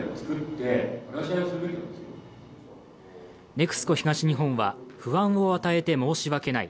ＮＥＸＣＯ東日本は、不安を与えて申し訳ない